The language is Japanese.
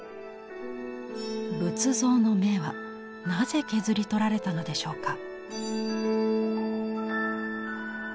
仏像の目はなぜ削り取られたのでしょうか。